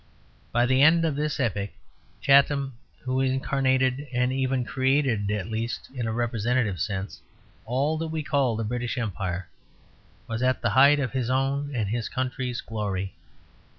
By the end of this epoch Chatham, who incarnated and even created, at least in a representative sense, all that we call the British Empire, was at the height of his own and his country's glory.